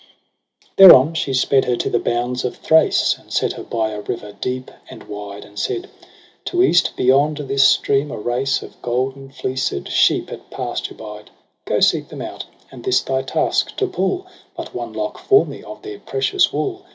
8 Thereon she sped her to the bounds of Thrace, And set her by a river deep and wide. And said ' To east beyond this stream, a race Of golden fleeced sheep at pasture bide. Go seek them out j and this thy task, to pull But one lock for me of their precious wool.